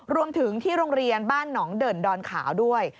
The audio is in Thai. รวมถึงที่โรงเรียนบ้านหนองเด่นดอนขาวด้วย